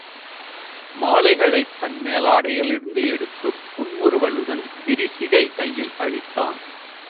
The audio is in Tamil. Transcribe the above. மாலைகளைத் தன் மேலாடையிலிருந்து எடுத்துப் புன்முறுவலுடன் விரிசிகை கையில் அளித்தான்.